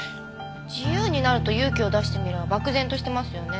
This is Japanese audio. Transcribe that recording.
「自由になる」と「勇気を出してみる」は漠然としてますよね。